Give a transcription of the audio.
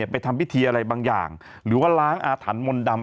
ไปทำพิธีอะไรบางอย่างหรือว่าล้างอาถรรพ์มนต์ดำ